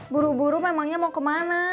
buru buru memangnya mau kemana